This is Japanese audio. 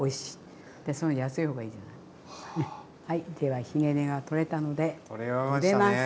ではひげ根が取れたのでゆでます。